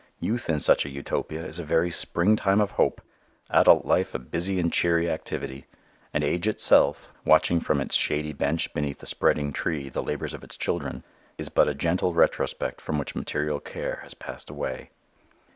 Youth in such a Utopia is a very springtime of hope: adult life a busy and cheery activity: and age itself, watching from its shady bench beneath a spreading tree the labors of its children, is but a gentle retrospect from which material care has passed away.